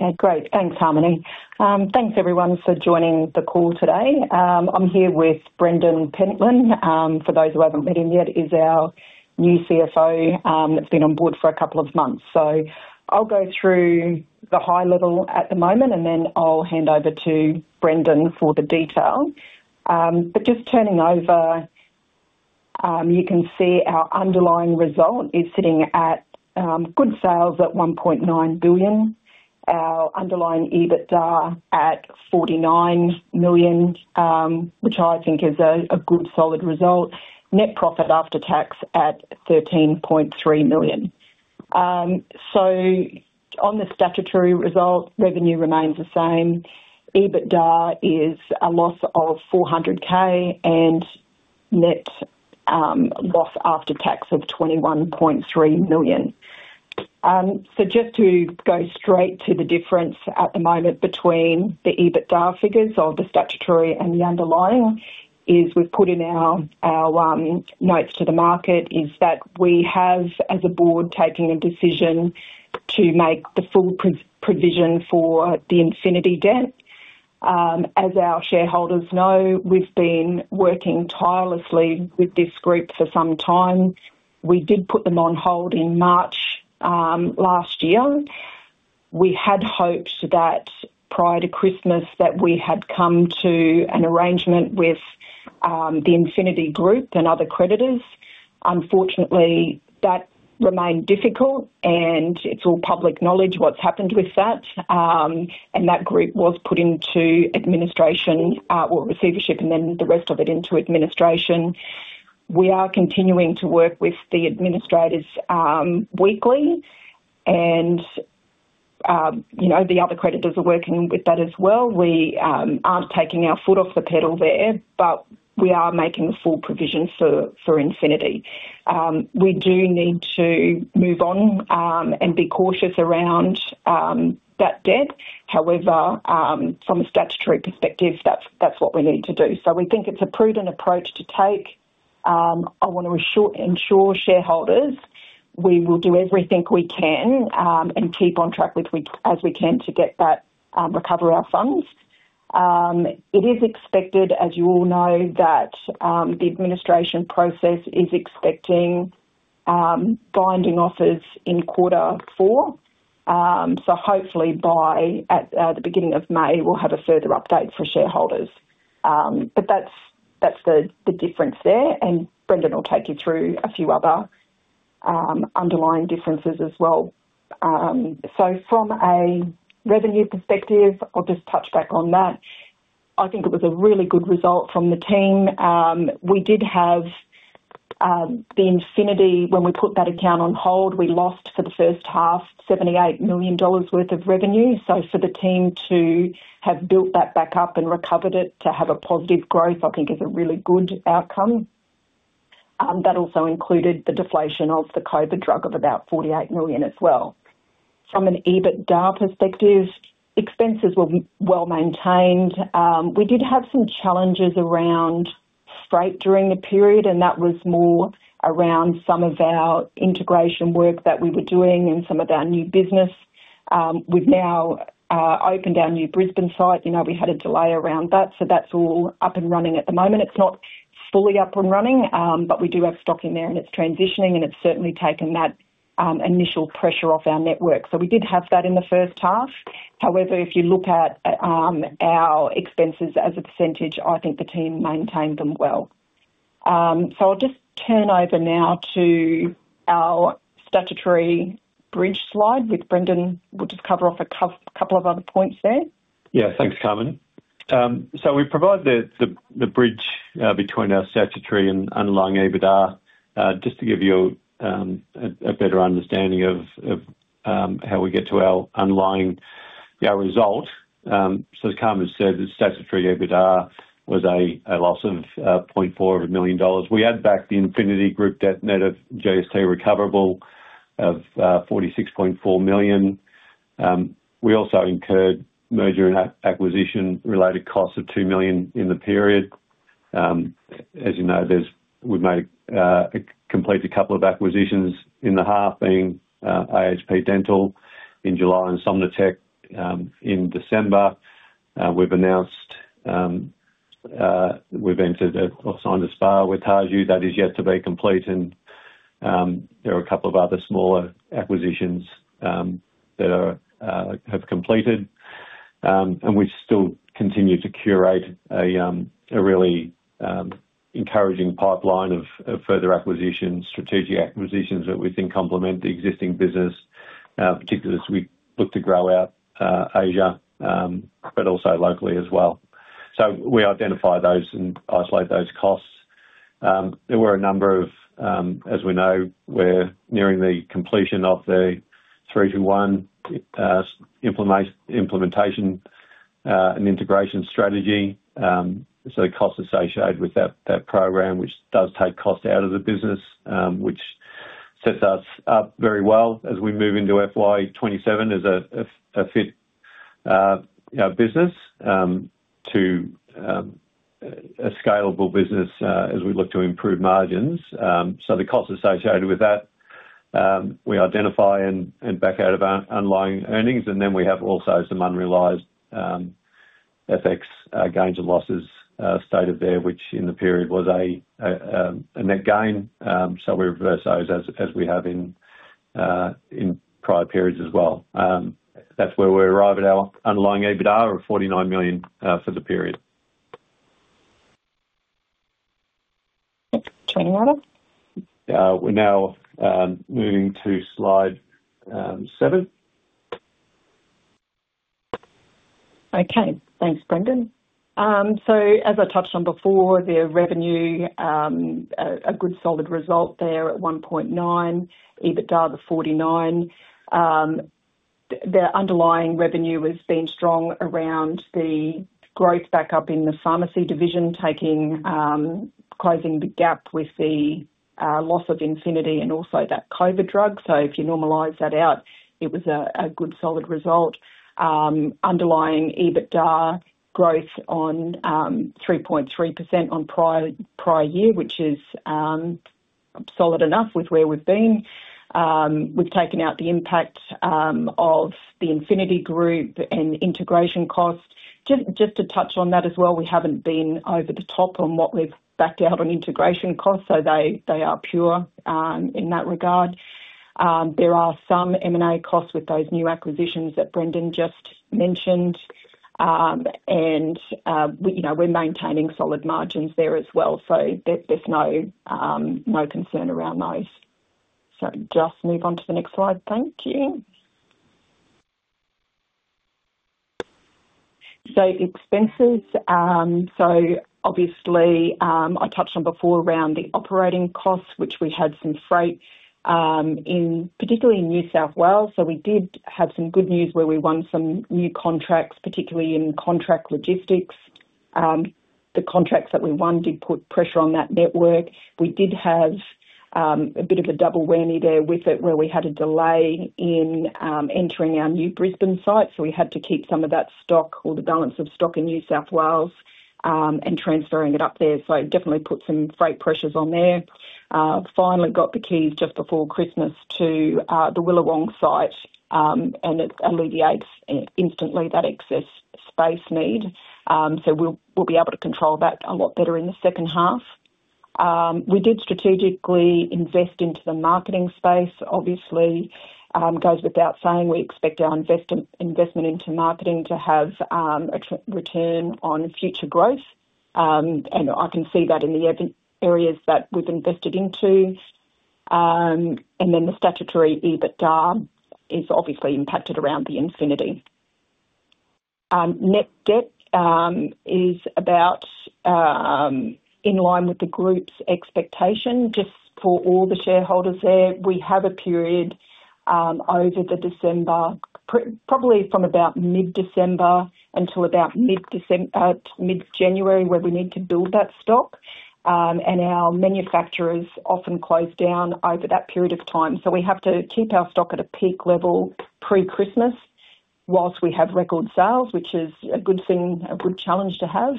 Okay, great. Thanks, Harmony. Thanks everyone for joining the call today. I'm here with Brendan Pentland. For those who haven't met him yet, he's our new CFO that's been on board for a couple of months. I'll go through the high level at the moment, and then I'll hand over to Brendan for the detail. Just turning over, you can see our underlying result is sitting at good sales at 1.9 billion. Our underlying EBITDA at 49 million, which I think is a good solid result. Net profit after tax at 13.3 million. On the statutory result, revenue remains the same. EBITDA is a loss of 400K and net loss after tax of 21.3 million. Just to go straight to the difference at the moment between the EBITDA figures or the statutory and the underlying, is we've put in our notes to the market, is that we have, as a board, taken a decision to make the full pro-provision for the Infinity debt. As our shareholders know, we've been working tirelessly with this group for some time. We did put them on hold in March last year. We had hoped that prior to Christmas, that we had come to an arrangement with the Infinity Group and other creditors. Unfortunately, that remained difficult and it's all public knowledge what's happened with that. That group was put into administration, well, receivership and then the rest of it into administration. We are continuing to work with the administrators, weekly, and the other creditors are working with that as well. We aren't taking our foot off the pedal there, but we are making full provision for Infinity. We do need to move on and be cautious around that debt. However, from a statutory perspective, that's what we need to do. We think it's a prudent approach to take. I want to assure, ensure shareholders we will do everything we can and keep on track as we can to get that, recover our funds. It is expected, as you all know, that the administration process is expecting binding offers in quarter four. Hopefully by the beginning of May, we'll have a further update for shareholders. That's, that's the difference there, and Brendan will take you through a few other underlying differences as well. From a revenue perspective, I'll just touch back on that. I think it was a really good result from the team. We did have the Infinity when we put that account on hold, we lost for the H1, 78 million dollars worth of revenue. For the team to have built that back up and recovered it, to have a positive growth, I think is a really good outcome. That also included the deflation of the COVID drag of about 48 million as well. From an EBITDA perspective, expenses were well maintained. We did have some challenges around freight during the period, and that was more around some of our integration work that we were doing and some of our new business. We've now opened our new Brisbane site. You know, we had a delay around that, so that's all up and running at the moment. It's not fully up and running, but we do have stock in there and it's transitioning and it's certainly taken that initial pressure off our network. We did have that in the H1. However, if you look at our expenses as a %, I think the team maintained them well. I'll just turn over now to our statutory bridge slide, which Brendan will just cover off a couple of other points there. Thanks, Carmen. We provide the, the bridge between our statutory and underlying EBITDA, just to give you a better understanding of how we get to our underlying, our result. As Carmen said, the statutory EBITDA was a loss of 0.4 million dollars. We add back the Infinity Group debt, net of GST recoverable of 46.4 million. We also incurred merger and acquisition-related costs of 2 million in the period. As you know, completed a couple of acquisitions in the half being AHP Dental in July and Somnotec in December. We've announced, we've entered or signed a SPA with Haiju that is yet to be complete, and there are a couple of other smaller acquisitions that have completed. And we still continue to curate a really encouraging pipeline of further acquisitions, strategic acquisitions that we think complement the existing business, particularly as we look to grow out Asia, but also locally as well. We identify those and isolate those costs. There were a number of, as we know, we're nearing the completion of the 3-2-1 implementation and integration strategy. So the costs associated with that program, which does take costs out of the business, which sets us up very well as we move into FY 2027, is a. our business, to a scalable business, as we look to improve margins. The costs associated with that, we identify and back out of our underlying earnings, and then we have also some unrealized FX gains and losses stated there, which in the period was a net gain. We reverse those as we have in prior periods as well. That's where we arrive at our underlying EBITDA of 49 million for the period. Turning over. We're now moving to slide seven. Okay. Thanks, Brendan. As I touched on before, the revenue, a good solid result there at 1.9, EBITDA of 49. The underlying revenue has been strong around the growth back up in the pharmacy division, taking closing the gap with the loss of Infinity and also that COVID drag. If you normalize that out, it was a good solid result. Underlying EBITDA growth on 3.3% on prior year, which is solid enough with where we've been. We've taken out the impact of the Infinity Group and integration costs. To touch on that as well, we haven't been over the top on what we've backed out on integration costs, so they are pure, in that regard. There are some M&A costs with those new acquisitions that Brendan just mentioned. And, you know, we're maintaining solid margins there as well, so there's no concern around those. Just move on to the next slide. Thank you. Expenses. Obviously, I touched on before around the operating costs, which we had some freight in particularly in New South Wales. We did have some good news where we won some new contracts, particularly in contract logistics. The contracts that we won did put pressure on that network. We did have a bit of a double whammy there with it, where we had a delay in entering our new Brisbane site, so we had to keep some of that stock or the balance of stock in New South Wales and transferring it up there. It definitely put some freight pressures on there. Finally got the keys just before Christmas to the Willawong site, and it instantly alleviates that excess space need. We'll be able to control that a lot better in the H2. We did strategically invest into the marketing space. Obviously, goes without saying, we expect our investment into marketing to have a return on future growth. I can see that in the areas that we've invested into. The statutory EBITDA is obviously impacted around the Infinity. Net debt is about in line with the group's expectation. Just for all the shareholders there, we have a period over December, probably from about mid-December until about mid-January, where we need to build that stock. And our manufacturers often close down over that period of time, so we have to keep our stock at a peak level pre-Christmas whilst we have record sales, which is a good thing, a good challenge to have.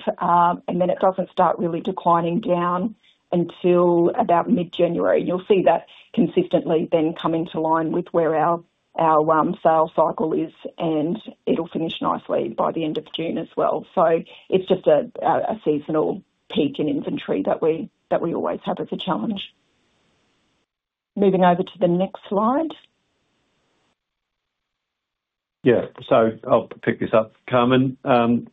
Then it doesn't start really declining down until about mid-January. You'll see that consistently then coming to line with where our sales cycle is, and it'll finish nicely by the end of June as well. It's just a seasonal peak in inventory that we always have as a challenge. Moving over to the next slide. I'll pick this up, Carmen. Carmen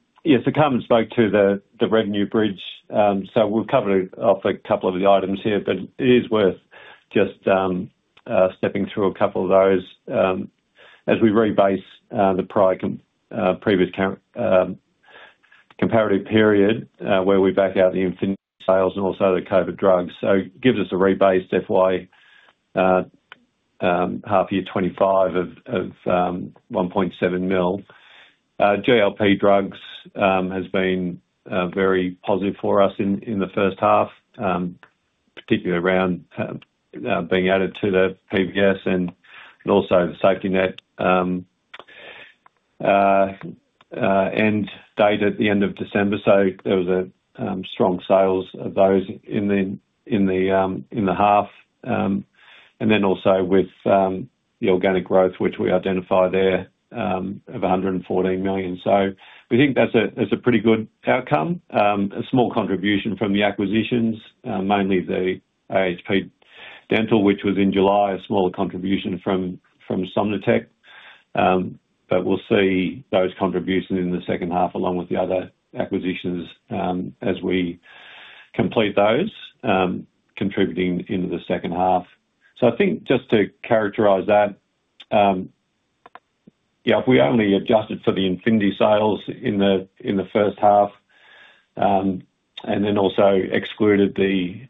spoke to the revenue bridge. We've covered off a couple of the items here, but it is worth just stepping through a couple of those. As we rebase the prior previous count comparative period, where we back out the Infinity sales and also the COVID drugs. It gives us a rebased FY half year 2025 of 1.7 million. GLP-1 drugs has been very positive for us in the H1, particularly around being added to the PBS and also the Safety Net end date at the end of December. There was a strong sales of those in the half. Also with the organic growth, which we identify there, of 114 million. We think that's a pretty good outcome. A small contribution from the acquisitions, mainly the AHP Dental, which was in July, a smaller contribution from Somnotec. We'll see those contributions in the H2, along with the other acquisitions, as we complete those, contributing into the H2. I think just to characterize that, if we only adjusted for the Infinity sales in the H1, also excluded the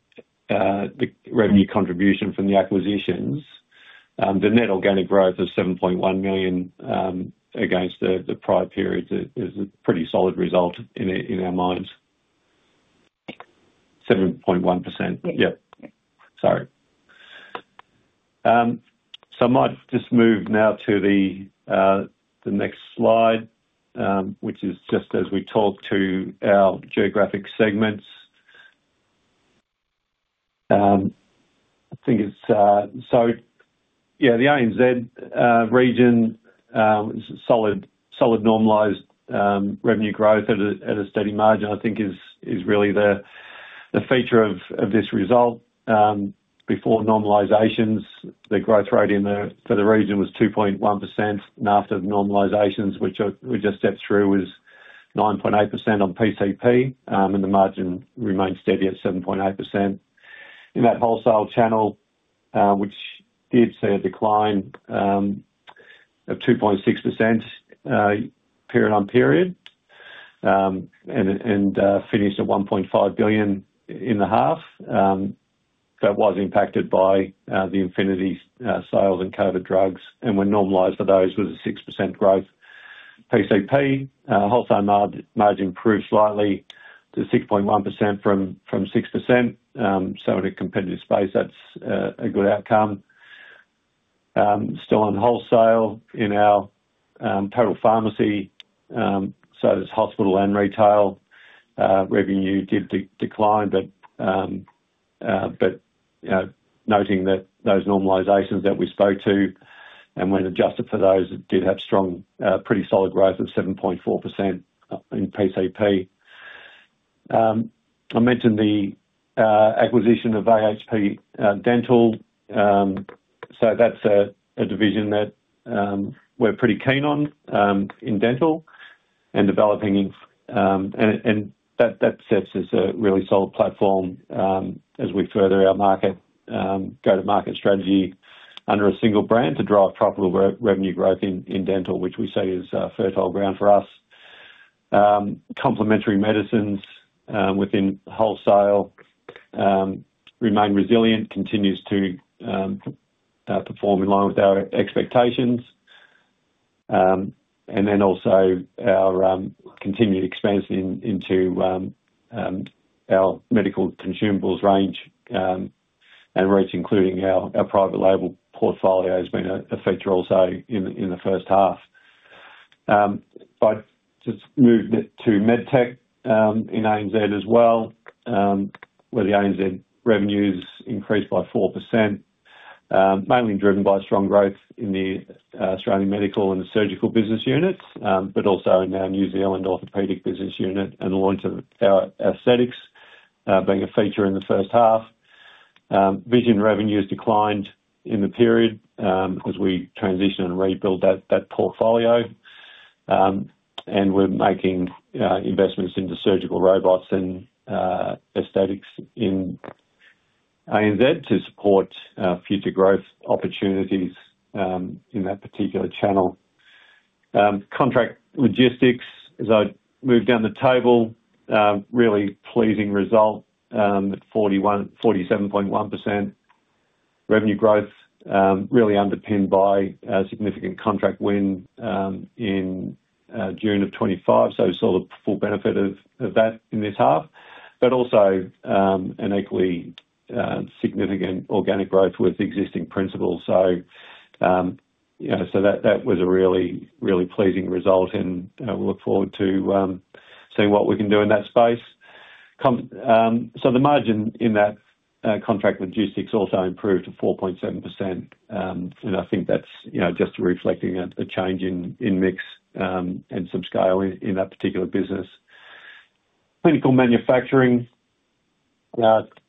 revenue contribution from the acquisitions, the net organic growth of 7.1 million against the prior period is a pretty solid result in our minds. 7.1%. Yeah. Yep. Sorry. I might just move now to the next slide, which is just as we talk to our geographic segments. I think it's, so yeah, the ANZ region, solid normalized revenue growth at a steady margin, I think is really the feature of this result. Before normalizations, the growth rate in the, for the region was 2.1%, and after the normalizations, which I, we just stepped through, was 9.8% on PCP, and the margin remained steady at 7.8%. In that wholesale channel, which did see a decline of 2.6% period on period, and finished at 1.5 billion in the half. That was impacted by the Infinity sales and COVID drag, when normalized for those, it was a 6% growth. PCP wholesale margin improved slightly to 6.1% from 6%. In a competitive space, that's a good outcome. Still on wholesale in our total pharmacy, as hospital and retail revenue did decline, you know, noting that those normalizations that we spoke to, when adjusted for those, it did have strong, pretty solid growth of 7.4% in PCP. I mentioned the acquisition of AHP Dental. That's a division that, we're pretty keen on, in dental and developing in, and that sets us a really solid platform, as we further our market, go-to-market strategy under a single brand to drive profitable revenue growth in dental, which we see as, fertile ground for us. Complementary medicines, within wholesale, remain resilient, continues to, perform in line with our expectations. Then also our, continued expansion into, our medical consumables range, and range, including our private label portfolio, has been a feature also in the H1. I just move to medtech in ANZ as well, where the ANZ revenues increased by 4%, mainly driven by strong growth in the Australian medical and surgical business units, but also in our New Zealand orthopedic business unit and the launch of our aesthetics, being a feature in the H1. Vision revenues declined in the period, as we transition and rebuild that portfolio. We're making investments into surgical robots and aesthetics in ANZ to support future growth opportunities in that particular channel. Contract logistics, as I move down the table, really pleasing result at 47.1% revenue growth, really underpinned by a significant contract win in June of 2025. We saw the full benefit of that in this half, but also an equally significant organic growth with existing principals. You know, that was a really pleasing result, and we look forward to seeing what we can do in that space. The margin in that contract logistics also improved to 4.7%. I think that's, you know, just reflecting a change in mix and some scale in that particular business. Clinical manufacturing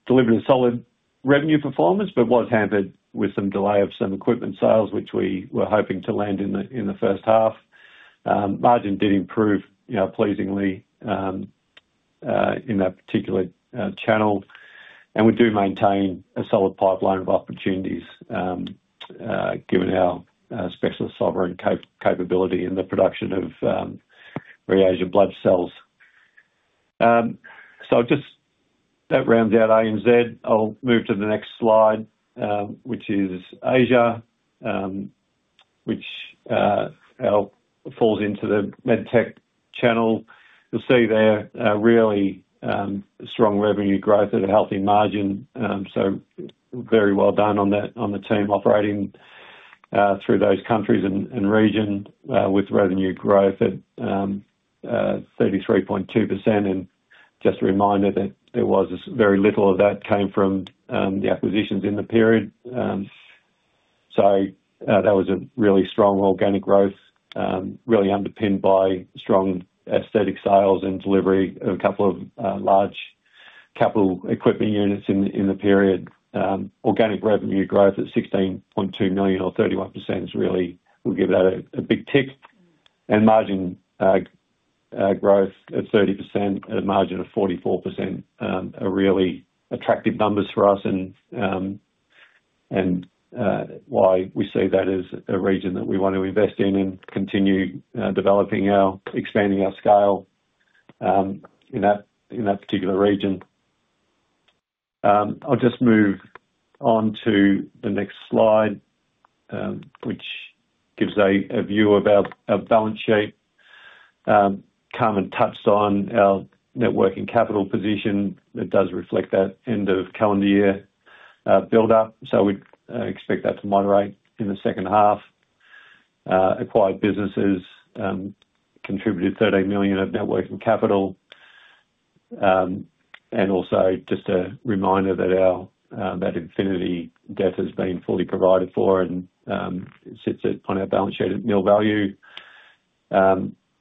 delivered a solid revenue performance, but was hampered with some delay of some equipment sales, which we were hoping to land in the H1. Margin did improve, you know, pleasingly, in that particular channel. We do maintain a solid pipeline of opportunities, given our specialist sovereign capability in the production of Reagent Red Blood Cells. Just, that rounds out ANZ. I'll move to the next slide, which is Asia, which falls into the med tech channel. You'll see there, really strong revenue growth at a healthy margin. Very well done on that, on the team operating through those countries and region with revenue growth at 33.2%. Just a reminder that there was very little of that came from the acquisitions in the period. That was a really strong organic growth, really underpinned by strong aesthetic sales and delivery of a couple of large capital equipment units in the period. Organic revenue growth at 16.2 million or 31%, we'll give that a big tick. Margin growth at 30% at a margin of 44% are really attractive numbers for us, and why we see that as a region that we want to invest in and continue expanding our scale in that particular region. I'll just move on to the next slide, which gives a view of our balance sheet. Carmen touched on our net working capital position. It does reflect that end of calendar year build up, so we'd expect that to moderate in the H2. Acquired businesses contributed 13 million of net working capital. Also just a reminder that our that Infinity debt has been fully provided for and it sits at, on our balance sheet at nil value.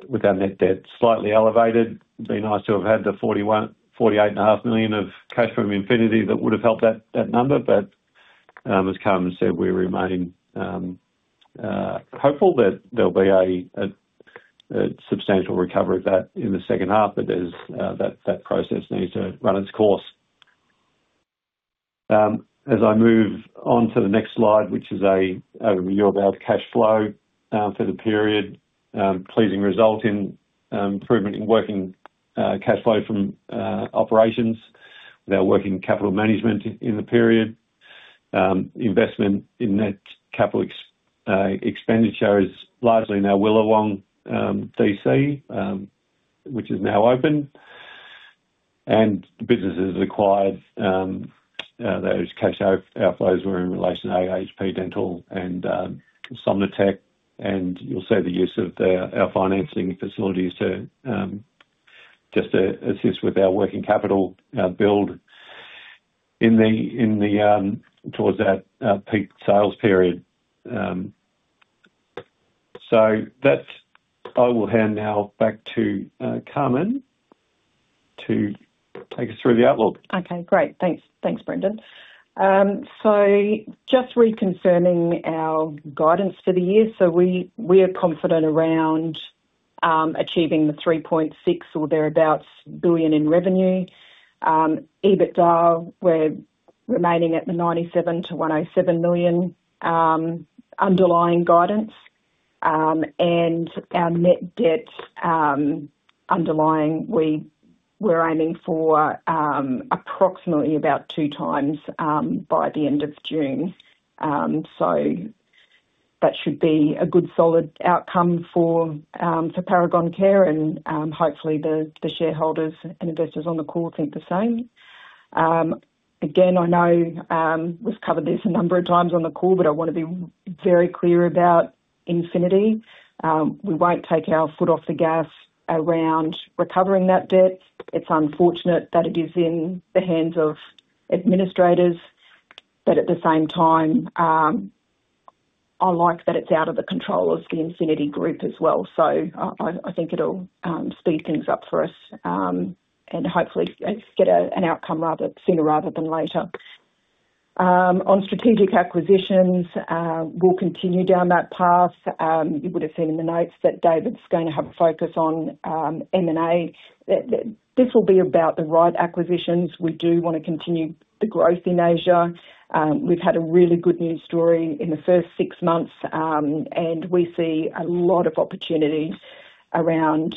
With our net debt slightly elevated, it'd be nice to have had the 48 and a half million of cash from Infinity. That would have helped that number, but as Carmen said, we remain hopeful that there'll be a substantial recovery of that in the H2, but there's that process needs to run its course. As I move on to the next slide, which is a year-on-year cash flow for the period. Pleasing result in improvement in working cash flow from operations with our working capital management in the period. Investment in net capital expenditure is largely in our Willawong DC, which is now open. The businesses acquired, those cash outflows were in relation to AHP Dental and Somnotec, and you'll see the use of our financing facilities to just to assist with our working capital build in the towards our peak sales period. So that's... I will hand now back to Carmen to take us through the outlook. Okay, great. Thanks. Thanks, Brendan. Just reconfirming our guidance for the year. We are confident around achieving the 3.6 billion or thereabouts in revenue. EBITDA, we're remaining at the 97 million-107 million underlying guidance. Our net debt, underlying, we're aiming for approximately about 2 times by the end of June. That should be a good, solid outcome for Paragon Care and, hopefully, the shareholders and investors on the call think the same. Again, I know we've covered this a number of times on the call, but I want to be very clear about Infinity. We won't take our foot off the gas around recovering that debt. It's unfortunate that it is in the hands of administrators. At the same time, I like that it's out of the control of the Infinity Group as well. I think it'll speed things up for us, and hopefully get an outcome rather, sooner rather than later. On strategic acquisitions, we'll continue down that path. You would have seen in the notes that David's going to have a focus on M&A. This will be about the right acquisitions. We do want to continue the growth in Asia. We've had a really good news story in the first six months, and we see a lot of opportunities around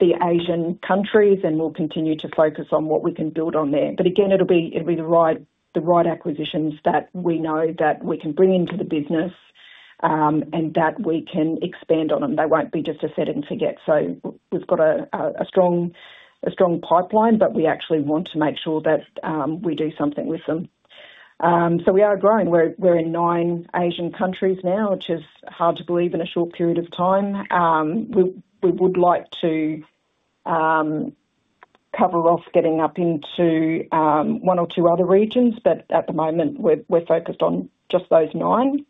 the Asian countries, and we'll continue to focus on what we can build on there. Again, it'll be, it'll be the right, the right acquisitions that we know that we can bring into the business, and that we can expand on them. They won't be just a set and forget. We've got a strong pipeline, but we actually want to make sure that we do something with them. We are growing. We're in nine Asian countries now, which is hard to believe in a short period of time. We would like to cover off getting up into one or two other regions, but at the moment, we're focused on just those nine.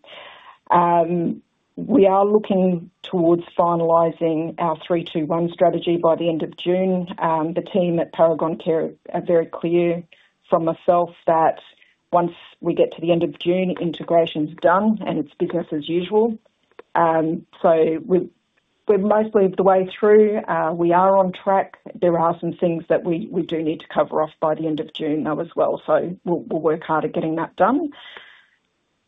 We are looking towards finalizing our three, two, one strategy by the end of June. The team at Paragon Care are very clear from myself that once we get to the end of June, integration is done, and it's business as usual. We're mostly the way through. We are on track. There are some things that we do need to cover off by the end of June, though, as well. We'll work hard at getting that done.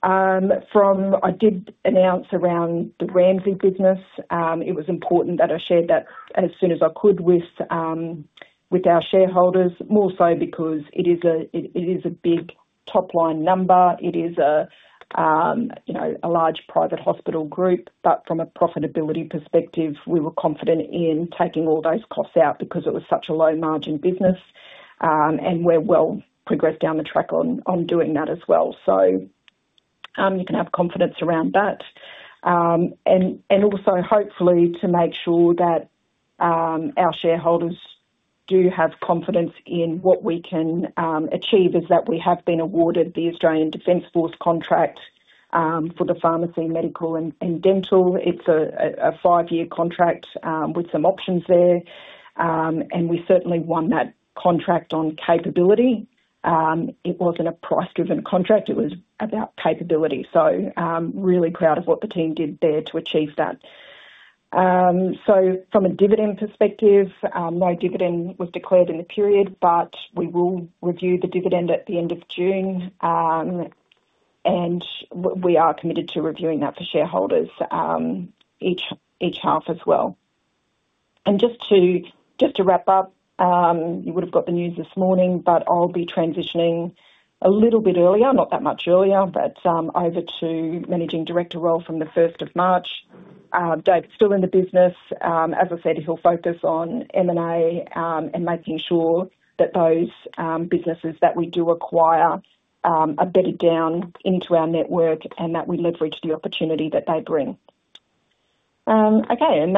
From... I did announce around the Ramsay business. It was important that I shared that as soon as I could with our shareholders, more so because it is a big top-line number. It is a, you know, a large private hospital group, but from a profitability perspective, we were confident in taking all those costs out because it was such a low-margin business. We're well progressed down the track on doing that as well. You can have confidence around that. Also hopefully to make sure that our shareholders do have confidence in what we can achieve is that we have been awarded the Australian Defence Force contract for the pharmacy, medical, and dental. It's a 5-year contract with some options there. We certainly won that contract on capability. It wasn't a price-driven contract. It was about capability. Really proud of what the team did there to achieve that. From a dividend perspective, no dividend was declared in the period, but we will review the dividend at the end of June. We are committed to reviewing that for shareholders each half as well. Just to wrap up, you would have got the news this morning, but I'll be transitioning a little bit earlier, not that much earlier, but over to managing director role from the 1st of March. Dave's still in the business. As I said, he'll focus on M&A and making sure that those businesses that we do acquire are bedded down into our network and that we leverage the opportunity that they bring. Okay,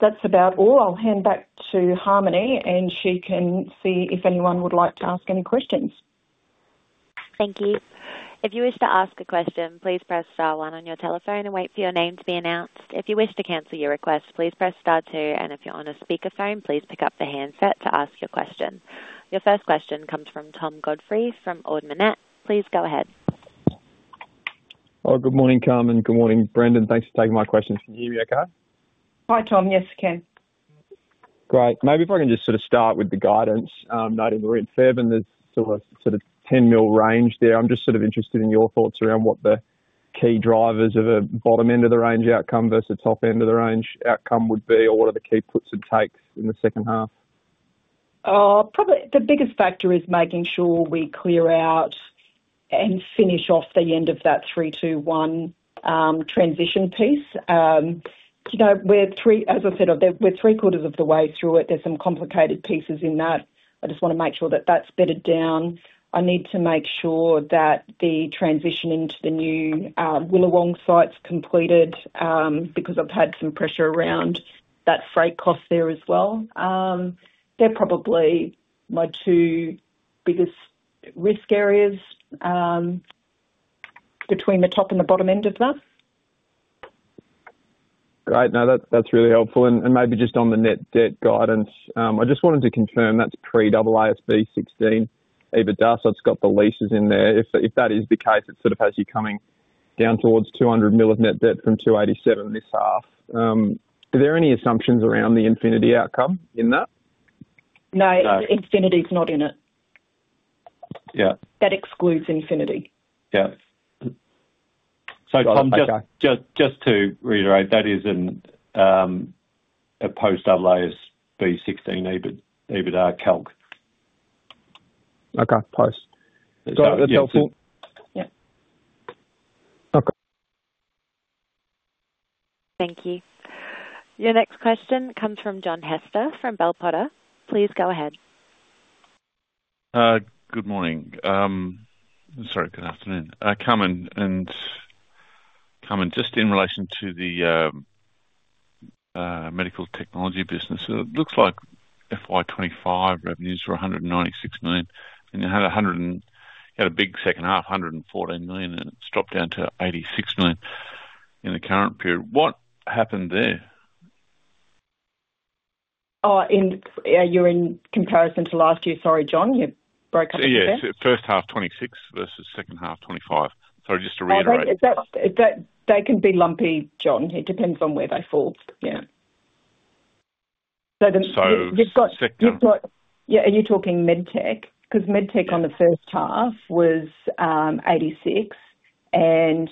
that's about all. I'll hand back to Harmony, and she can see if anyone would like to ask any questions. Thank you. If you wish to ask a question, please press star one on your telephone and wait for your name to be announced. If you wish to cancel your request, please press star two, if you're on a speakerphone, please pick up the handset to ask your question. Your first question comes from Tom Godfrey from Ord Minnett. Please go ahead. Oh, good morning, Carmen. Good morning, Brendan. Thanks for taking my questions. Can you hear me okay? Hi, Tom. Yes, I can. Great. Maybe if I can just sort of start with the guidance, noted we're in Feb, there's sort of 10 million range there. I'm just sort of interested in your thoughts around what the key drivers of a bottom end of the range outcome versus top end of the range outcome would be, or what are the key puts and takes in the H2? Probably the biggest factor is making sure we clear out and finish off the end of that 3-2-1 transition piece. You know, as I said, we're three-quarters of the way through it. There's some complicated pieces in that. I just want to make sure that that's bedded down. I need to make sure that the transition into the new Willawong site's completed because I've had some pressure around that freight cost there as well. They're probably my two biggest risk areas between the top and the bottom end of that. Great. No, that's really helpful. Maybe just on the net debt guidance, I just wanted to confirm that's pre-double AASB 16 EBITDA, so it's got the leases in there. If that is the case, it sort of has you coming down towards 200 million of net debt from 287 million this half. Are there any assumptions around the Infinity outcome in that? No, Infinity's not in it. Yeah. That excludes Infinity. Yeah. Tom, just to reiterate, that is in a post-double AASB 16 EBID, EBITDA calc. Okay, thanks. That's helpful. Yeah. Okay. Thank you. Your next question comes from John Hester from Bell Potter. Please go ahead. Good morning. Sorry, good afternoon. Carmen, just in relation to the medical technology business, it looks like FY 2025 revenues were 196 million, and you had a big H2, 114 million, and it's dropped down to 86 million in the current period. What happened there? Oh, in, you're in comparison to last year. Sorry, John, you broke up there. Yeah, H1, 2026 versus H2, 2025. Sorry, just to reiterate. Is that? They can be lumpy, John. It depends on where they fall. Yeah. So second- You've got. Yeah, are you talking med tech? Med tech on the H1 was 86 and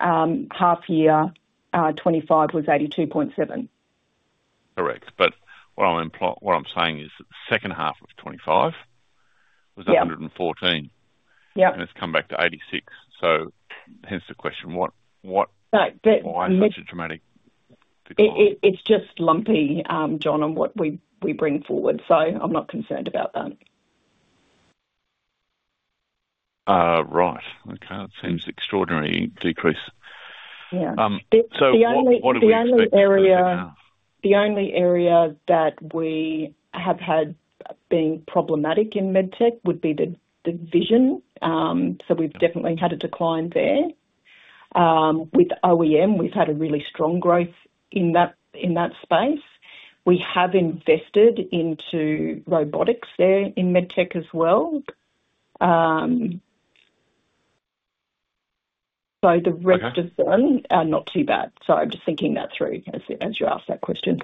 half year FY25 was 82.7. Correct. What I'm saying is that the H2 of 25 was 114. Yeah. It's come back to 86. Hence the question, what? No. Why such a dramatic decline? It's just lumpy, John, on what we bring forward, so I'm not concerned about that. Right. Okay. It seems extraordinary decrease. Yeah. What do we expect? The only area that we have had been problematic in medtech would be the vision. We've definitely had a decline there. With OEM, we've had a really strong growth in that space. We have invested into robotics there in medtech as well. The rest of them. Okay. Are not too bad. I'm just thinking that through as you ask that question.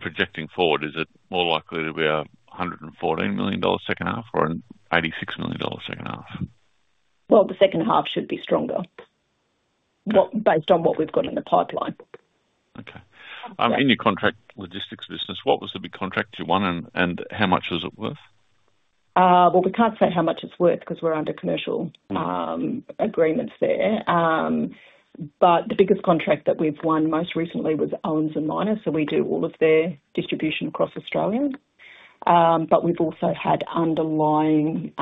Projecting forward, is it more likely to be 114 million dollar H2 or an 86 million dollar H2? Well, the H2 should be stronger, not based on what we've got in the pipeline. Okay. Um- In your contract logistics business, what was the big contract you won, and how much was it worth? Well, we can't say how much it's worth because we're under commercial agreements there. The biggest contract that we've won most recently was Owens & Minor, so we do all of their distribution across Australia. We've also had underlying.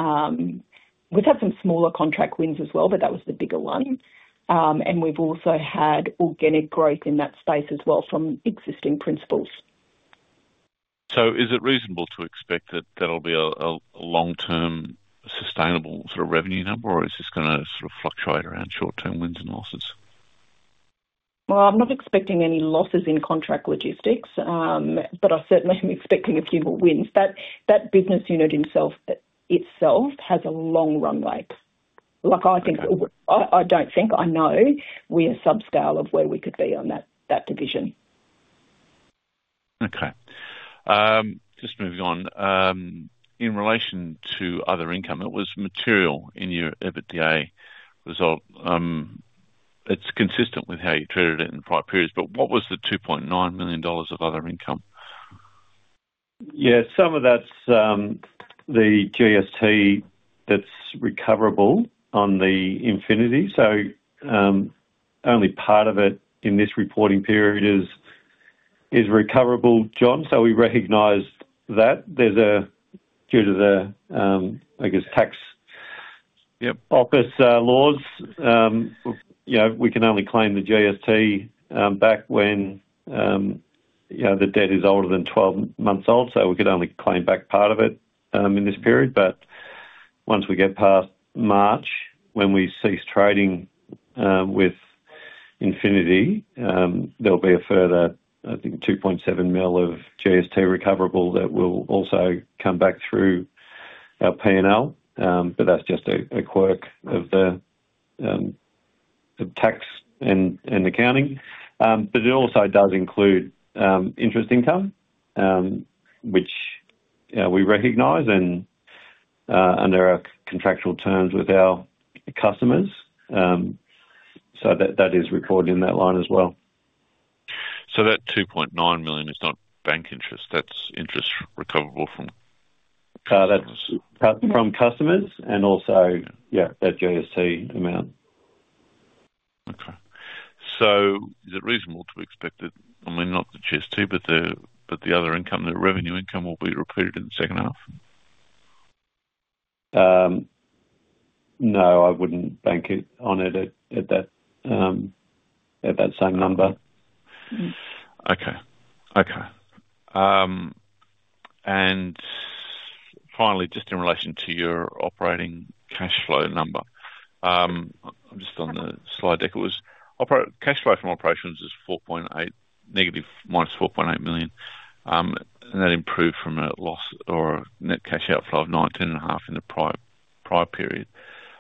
We've had some smaller contract wins as well, but that was the bigger one. We've also had organic growth in that space as well from existing principals. Is it reasonable to expect that that'll be a long-term sustainable sort of revenue number, or is this gonna sort of fluctuate around short-term wins and losses? I'm not expecting any losses in contract logistics, but I certainly am expecting a few more wins. That business unit itself has a long runway. Like, I think. Okay. I don't think I know we're subscale of where we could be on that division. Okay.... just moving on. In relation to other income, it was material in your EBITDA result. It's consistent with how you treated it in prior periods, but what was the 2.9 million dollars of other income? Some of that's the GST that's recoverable on the Infinity. Only part of it in this reporting period is recoverable, John. We recognized that due to the, I guess, tax- Yep. -office, laws, you know, we can only claim the GST back when, you know, the debt is older than 12 months old, so we could only claim back part of it in this period. Once we get past March, when we cease trading with Infinity, there'll be a further, I think, 2.7 million of GST recoverable that will also come back through our PNL. That's just a quirk of the tax and accounting. It also does include interest income, which we recognize and under our contractual terms with our customers. That, that is recorded in that line as well. That 2.9 million is not bank interest, that's interest recoverable from customers? That's from customers and also, yeah, that GST amount. Is it reasonable to expect that, I mean, not the GST, but the other income, the revenue income will be repeated in the H2? No, I wouldn't bank it on it at that same number. Okay. Okay. Finally, just in relation to your operating cash flow number, just on the slide deck, it was cash flow from operations is -4.8 million. That improved from a loss or net cash outflow of nineteen and a half in the prior period.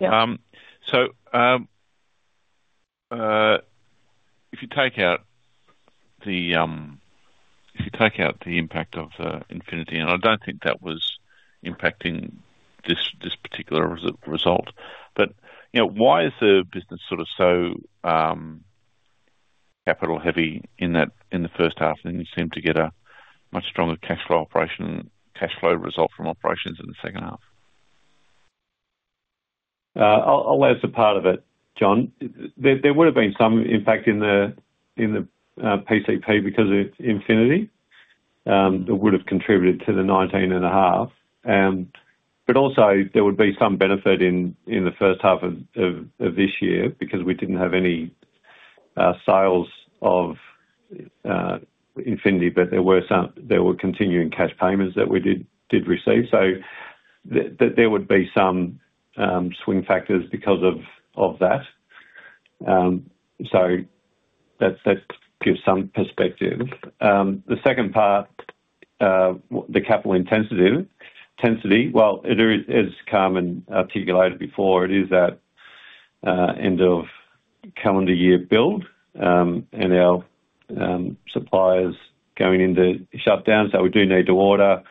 Yep. If you take out the, if you take out the impact of the Infinity, and I don't think that was impacting this particular result, but, you know, why is the business sort of so, capital heavy in that, in the H1, and then you seem to get a much stronger cash flow operation and cash flow result from operations in the H2? I'll answer part of it, John. There would have been some impact in the PCP because of Infinity, that would have contributed to the nineteen and a half. Also there would be some benefit in the H1 of this year because we didn't have any sales of Infinity, but there were some continuing cash payments that we did receive. There would be some swing factors because of that. That's, that gives some perspective. The second part, the capital intensity, well, it is, as Carmen articulated before, it is that end of calendar year build, and our suppliers going into shutdown. We do need to order,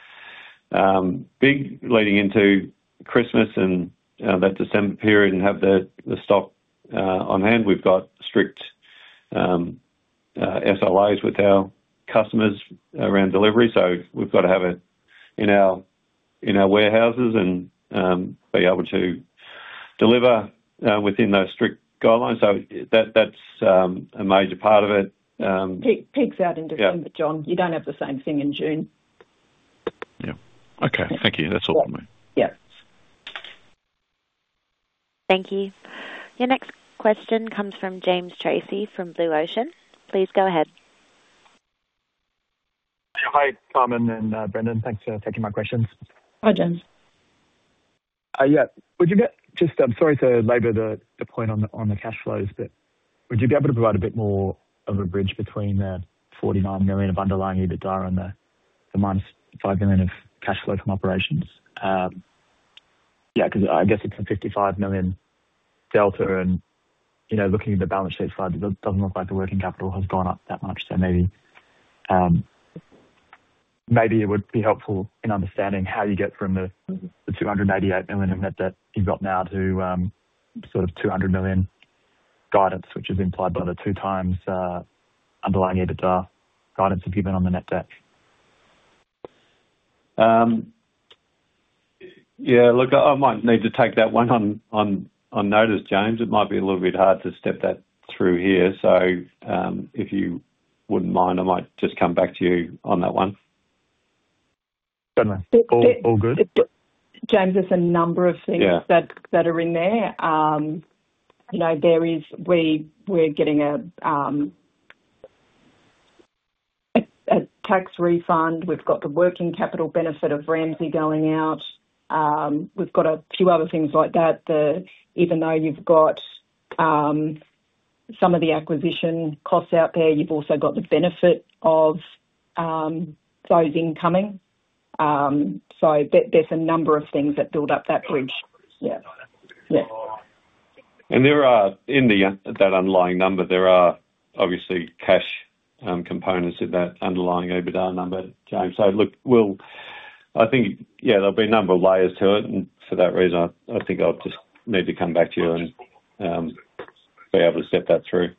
big leading into Christmas and, that December period and have the stock, on hand. We've got strict SLAs with our customers around delivery, so we've got to have it in our warehouses and, be able to deliver, within those strict guidelines. That's a major part of it. peaks out in December. Yeah... John, you don't have the same thing in June. Yeah. Okay. Thank you. That's all I mean. Yeah. Thank you. Your next question comes from James Tracey, from Blue Ocean. Please go ahead. Hi, Carmen and Brendan. Thanks for taking my questions. Hi, James. Yeah. Just, I'm sorry to labor the point on the cash flows, would you be able to provide a bit more of a bridge between the 49 million of underlying EBITDA and the minus 5 million of cash flow from operations? Yeah, 'cause I guess it's a 55 million delta and, you know, looking at the balance sheet side, it doesn't look like the working capital has gone up that much. Maybe, maybe it would be helpful in understanding how you get from the 288 million in net debt you've got now to sort of 200 million guidance, which is implied by the 2 times underlying EBITDA guidance you've given on the net debt. Yeah, look, I might need to take that one on notice, James. It might be a little bit hard to step that through here, so, if you wouldn't mind, I might just come back to you on that one. Fair enough. All good. James, there's a number of things... Yeah that are in there. You know, we're getting a tax refund. We've got the working capital benefit of Ramsay going out. We've got a few other things like that. Even though you've got some of the acquisition costs out there, you've also got the benefit of those incoming. So there's a number of things that build up that bridge. Yeah. Yeah. ...There are, in the, that underlying number, there are obviously cash components of that underlying EBITDA number, James. Look, I think, yeah, there'll be a number of layers to it, and for that reason, I think I'll just need to come back to you and be able to step that through.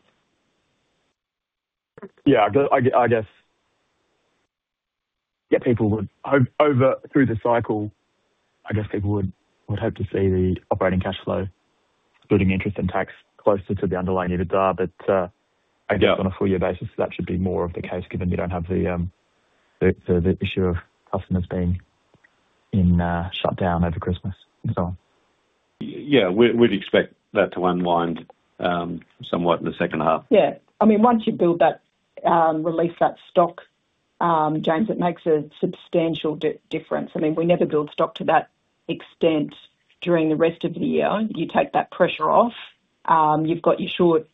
Yeah, I guess. Yeah, people would, over through the cycle, I guess people would hope to see the operating cash flow, including interest and tax, closer to the underlying EBITDA. Yeah. I guess on a full year basis, that should be more of the case, given you don't have the issue of customers being in shut down over Christmas and so on. Yeah, we'd expect that to unwind, somewhat in the H2. Yeah. I mean, once you build that, release that stock, James, it makes a substantial difference. I mean, we never build stock to that extent during the rest of the year. You take that pressure off, you've got your short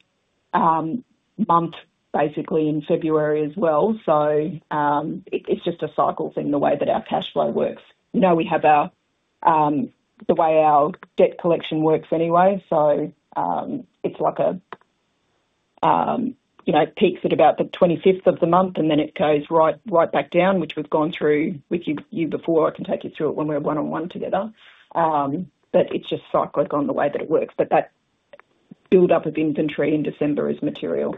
month basically in February as well. It's just a cycle thing, the way that our cash flow works. You know, we have our, the way our debt collection works anyway, so, it's like a, you know, peaks at about the 25th of the month, and then it goes right back down, which we've gone through with you before. I can take you through it when we're one-on-one together. It's just cyclic on the way that it works. That buildup of inventory in December is material.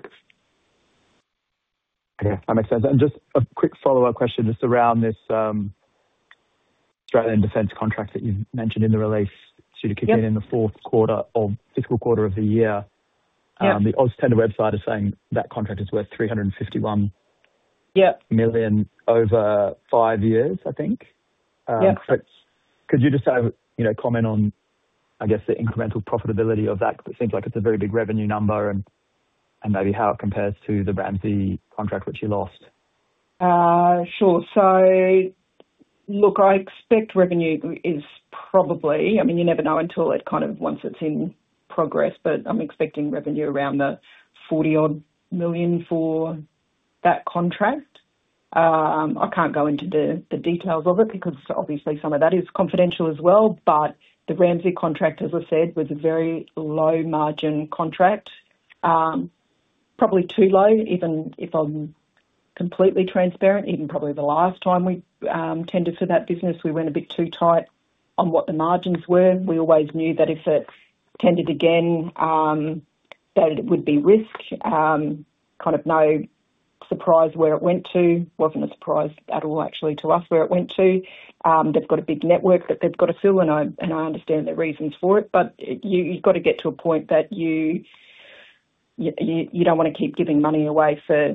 Yeah, that makes sense. Just a quick follow-up question, just around this, Australian Defence Force contract that you've mentioned in the release. Yeah. -kick in the fourth quarter or fiscal quarter of the year. Yeah. The AusTender website is saying that contract is worth 351- Yeah -million over five years, I think. Yeah. Could you just, you know, comment on, I guess, the incremental profitability of that? It seems like it's a very big revenue number and maybe how it compares to the Ramsay contract, which you lost. Sure. Look, I expect revenue is probably... I mean, you never know until it kind of once it's in progress, but I'm expecting revenue around the 40 million for that contract. I can't go into the details of it because obviously some of that is confidential as well. The Ramsay contract, as I said, was a very low margin contract. Probably too low, even if I'm completely transparent, even probably the last time we tendered for that business, we went a bit too tight on what the margins were. We always knew that if it tendered again, that it would be risk. Kind of no surprise where it went to. Wasn't a surprise at all, actually, to us, where it went to. They've got a big network that they've got to fill, and I, and I understand their reasons for it. You've got to get to a point that you don't want to keep giving money away for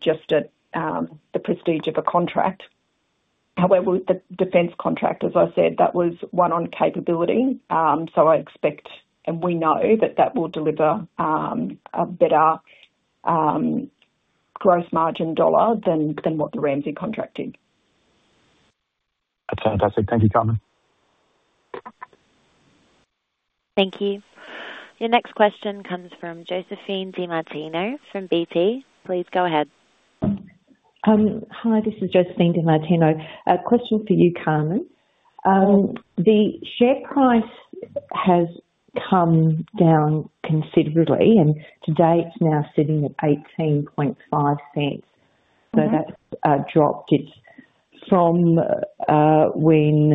just a, the prestige of a contract. However, with the defense contract, as I said, that was won on capability. I expect, and we know, that that will deliver a better gross margin dollar than what the Ramsay contract did. That's fantastic. Thank you, Carmen. Thank you. Your next question comes from Josephine Di Martino from BP. Please go ahead. Hi, this is Josephine Di Martino. A question for you, Carmen. Mm-hmm. The share price has come down considerably, and today it's now sitting at AUD 0.185. Mm-hmm. That's dropped it from when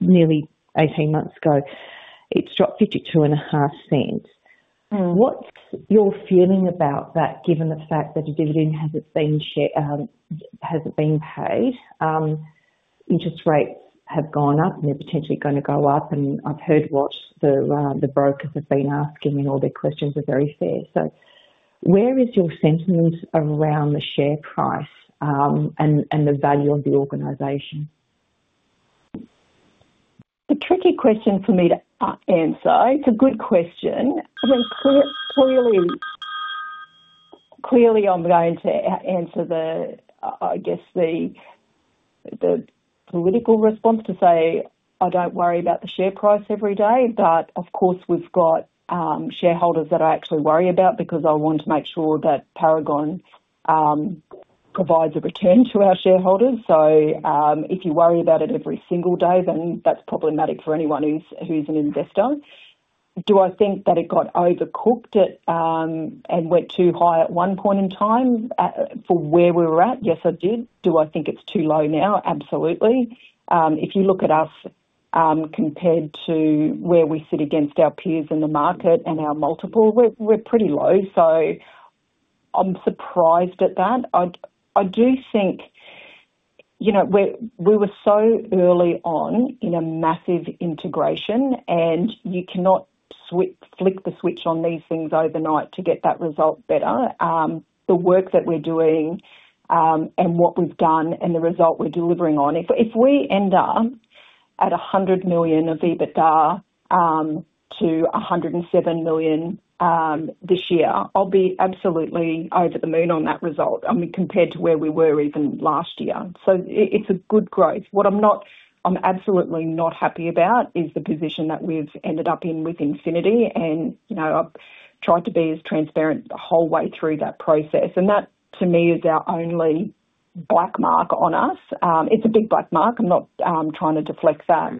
nearly 18 months ago, it's dropped 0.525. Mm. What's your feeling about that, given the fact that a dividend hasn't been paid? Interest rates have gone up, and they're potentially going to go up, and I've heard what the brokers have been asking, and all their questions are very fair. Where is your sentiment around the share price, and the value of the organization? It's a tricky question for me to answer. It's a good question. I mean, clearly, I'm going to answer the, I guess, the political response to say: I don't worry about the share price every day. Of course, we've got shareholders that I actually worry about because I want to make sure that Paragon provides a return to our shareholders. If you worry about it every single day, then that's problematic for anyone who's an investor. Do I think that it got overcooked at and went too high at one point in time for where we were at? Yes, I did. Do I think it's too low now? Absolutely. If you look at us, compared to where we sit against our peers in the market and our multiple, we're pretty low. I'm surprised at that. I'd, I do think, you know, we were so early on in a massive integration. You cannot flick the switch on these things overnight to get that result better. The work that we're doing, and what we've done and the result we're delivering on, if we end up at 100 million of EBITDA, to 107 million this year, I'll be absolutely over the moon on that result. I mean, compared to where we were even last year. It's a good growth. What I'm absolutely not happy about is the position that we've ended up in with Infinity and, you know. tried to be as transparent the whole way through that process. That to me is our only black mark on us. It's a big black mark. I'm not trying to deflect that,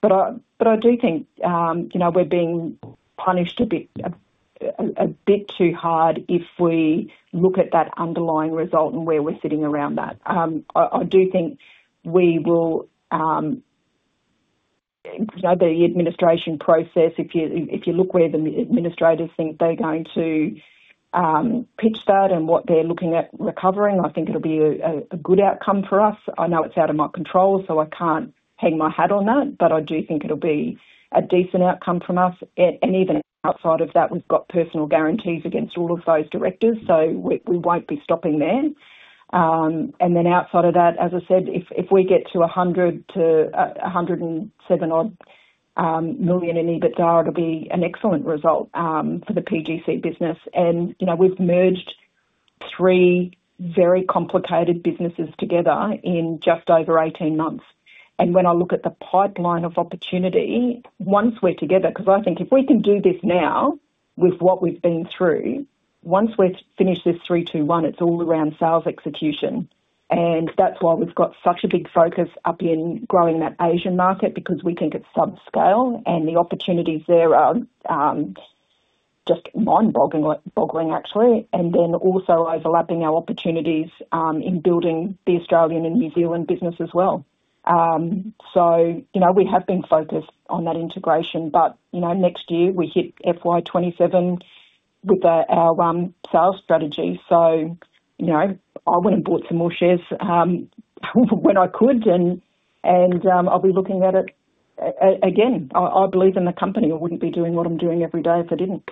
but I do think, you know, we're being punished a bit too hard if we look at that underlying result and where we're sitting around that. I do think we will, you know, the administration process, if you look where the administrators think they're going to pitch that and what they're looking at recovering, I think it'll be a good outcome for us. I know it's out of my control, so I can't hang my hat on that. I do think it'll be a decent outcome from us. Even outside of that, we've got personal guarantees against all of those directors, so we won't be stopping there. Then outside of that, as I said, if we get to 100 million-107 million odd in EBITDA, it'll be an excellent result for the PGC business. You know, we've merged three very complicated businesses together in just over 18 months. When I look at the pipeline of opportunity, once we're together, because I think if we can do this now with what we've been through, once we've finished this 3-2-1, it's all around sales execution. That's why we've got such a big focus up in growing that Asian market because we think it's sub-scale and the opportunities there are just mind-boggling, actually, and then also overlapping our opportunities in building the Australian and New Zealand business as well. You know, we have been focused on that integration, but, you know, next year we hit FY 2027 with our sales strategy. You know, I went and bought some more shares when I could and I'll be looking at it again. I believe in the company. I wouldn't be doing what I'm doing every day if I didn't.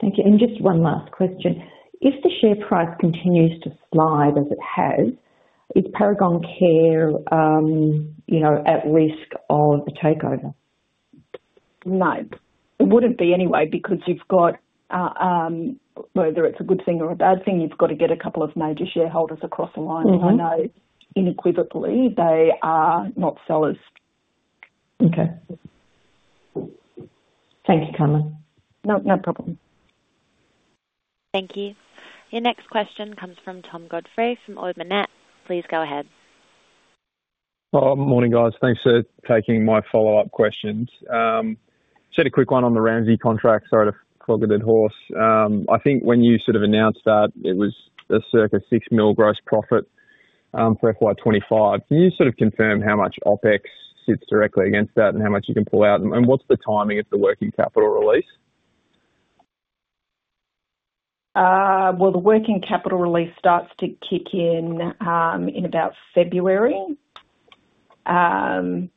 Thank you. Just one last question: If the share price continues to slide as it has, is Paragon Care, you know, at risk of a takeover? No. It wouldn't be anyway because you've got, whether it's a good thing or a bad thing, you've got to get a couple of major shareholders across the line. Mm-hmm. I know unequivocally they are not sellers. Okay. Thank you, Carmen. No, no problem. Thank you. Your next question comes from Tom Godfrey, from Ord Minnett. Please go ahead. Morning, guys. Thanks for taking my follow-up questions. Just a quick one on the Ramsay contract, sorry to flog a dead horse. I think when you sort of announced that it was a circa 6 million gross profit for FY 2025. Can you sort of confirm how much OpEx sits directly against that and how much you can pull out? What's the timing of the working capital release? Well, the working capital release starts to kick in about February. The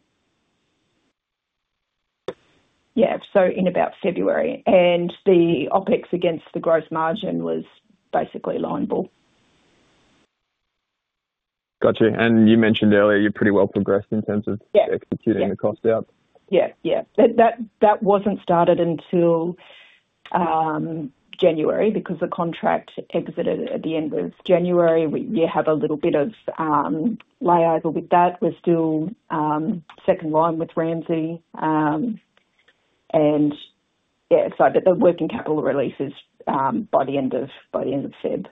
OpEx against the gross margin was basically line ball. Got you. You mentioned earlier, you're pretty well progressed in terms of. Yeah. executing the cost out? Yeah. That wasn't started until January, because the contract exited at the end of January. You have a little bit of liaison with that. We're still second line with Ramsay. Yeah, so the working capital release is by the end of February.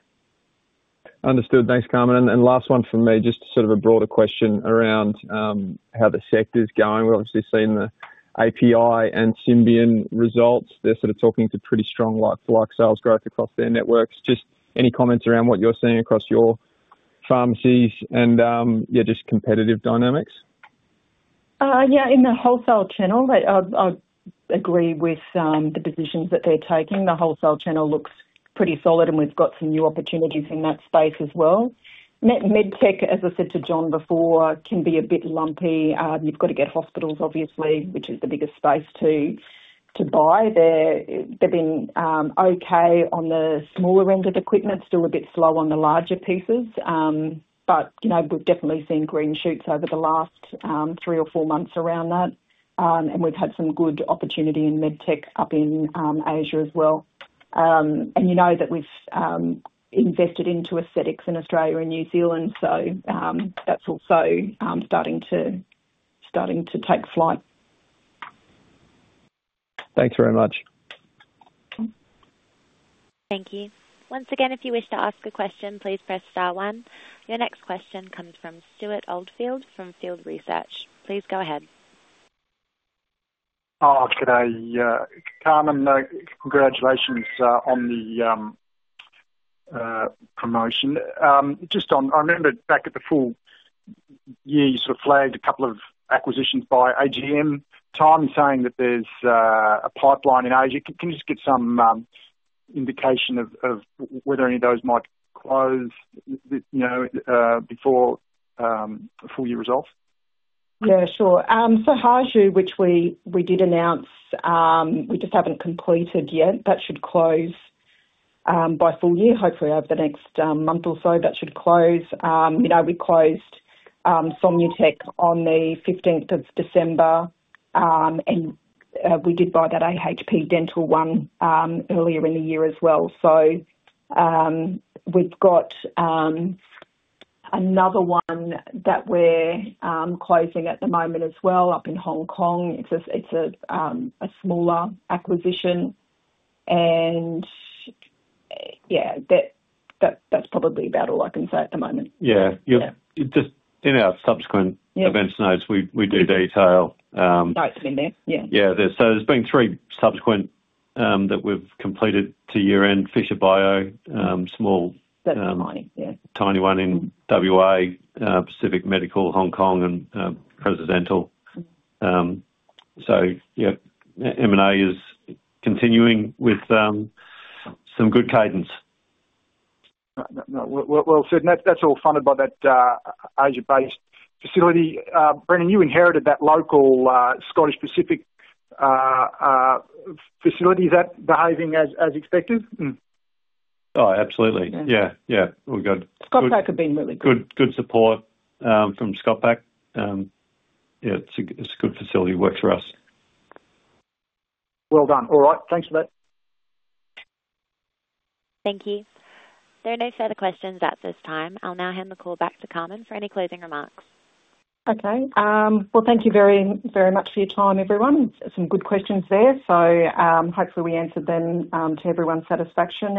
Understood. Thanks, Carmen. Last one from me, just sort of a broader question around how the sector's going. We've obviously seen the API and Symbion results. They're sort of talking to pretty strong like-for-like sales growth across their networks. Just any comments around what you're seeing across your pharmacies and yeah, just competitive dynamics? Yeah, in the wholesale channel, I agree with the positions that they're taking. The wholesale channel looks pretty solid, and we've got some new opportunities in that space as well. Med Tech, as I said to John before, can be a bit lumpy. You've got to get hospitals, obviously, which is the biggest space to buy. They've been okay on the smaller end of the equipment, still a bit slow on the larger pieces. But, you know, we've definitely seen green shoots over the last 3 or 4 months around that. We've had some good opportunity in Med Tech up in Asia as well. You know that we've invested into aesthetics in Australia and New Zealand, so that's also starting to take flight. Thanks very much. Thank you. Once again, if you wish to ask a question, please press Star one. Your next question comes from Stewart Oldfield, from Field Research. Please go ahead. Oh, g'day, Carmen, congratulations, on the promotion. Just on... I remember back at the full year, you sort of flagged a couple of acquisitions by AGM time, saying that there's a pipeline in Asia. Can you just give some indication of whether any of those might close, you know, before the full year results? Yeah, sure. Haiju, which we did announce, we just haven't completed yet. That should close by full year. Hopefully, over the next month or so, that should close. You know, we closed Somnotec on the 15th of December, and we did buy that AHP Dental one earlier in the year as well. We've got another one that we're closing at the moment as well, up in Hong Kong. It's a smaller acquisition. Yeah, that's probably about all I can say at the moment. Yeah. Yeah. Just in our subsequent- Yeah events notes, we do detail That's been there, yeah. Yeah. There's been 3 subsequent, that we've completed to year-end. Fisher Biotec, small- That's mine, yeah. Tiny one in WA, Pacific Medical, Hong Kong, and Presidental. Yeah, M&A is continuing with some good cadence. No, well said. And that's all funded by that Asia-based facility. Brendan, you inherited that local Scottish Pacific facility. Is that behaving as expected? Oh, absolutely. Yeah. Yeah, yeah, all good. Scottpack have been really good. Good support, from Scottpack. Yeah, it's a good facility. Works for us. Well done. All right. Thanks for that. Thank you. There are no further questions at this time. I'll now hand the call back to Carmen for any closing remarks. Okay. Well, thank you very, very much for your time, everyone. Some good questions there. Hopefully, we answered them to everyone's satisfaction.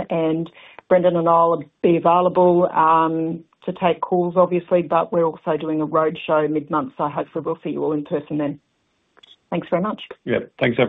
Brendan and I will be available to take calls, obviously, but we're also doing a roadshow mid-month, so hopefully we'll see you all in person then. Thanks very much. Yeah. Thanks, everyone.